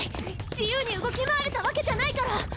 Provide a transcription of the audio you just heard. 自由に動き回れたわけじゃないから！